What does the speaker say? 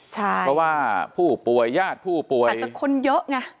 เพราะว่าผู้ป่วยญาติผู้ป่วยอาจจะคนเยอะไง